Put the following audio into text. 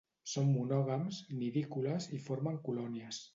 Són monògams, nidícoles i formen colònies.